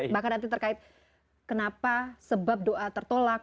bahkan nanti terkait kenapa sebab doa tertolak